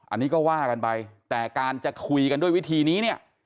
อันนี้ก็ว่ากันไปแต่การจะคุยกันด้วยวิธีนี้เนี่ย